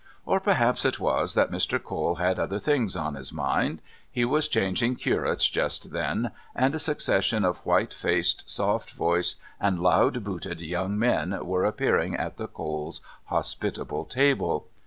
Or, perhaps, it was that Mr. Cole had other things on his mind; he was changing curates just then, and a succession of white faced, soft voiced, and loud booted young men were appearing at the Coles' hospitable table.